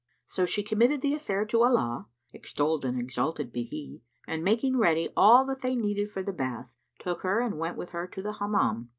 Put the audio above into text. So she committed the affair to Allah (extolled and exalted be He!) and making ready all that they needed for the bath, took her and went with her to the Hammam.